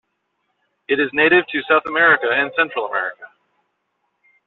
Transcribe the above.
It is native to South America and Central America.